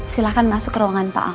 silahkan masuk ke ruangan pak ang